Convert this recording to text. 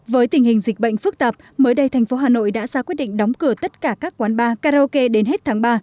với tình hình dịch bệnh phức tạp mới đây thành phố hà nội đã ra quyết định đóng cửa tất cả các quán bar karaoke đến hết tháng ba